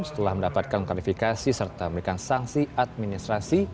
setelah mendapatkan klarifikasi serta memberikan sanksi administrasi